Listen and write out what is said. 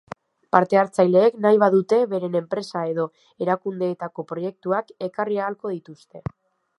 Parte-hartzaileek, nahi badute, beren enpresa edo erakundeetako proiektuak ekarri ahalko dituzte.